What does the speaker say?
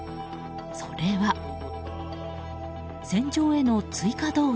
それは、戦場への追加動員。